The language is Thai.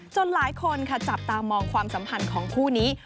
หลายคนค่ะจับตามองความสัมพันธ์ของคู่นี้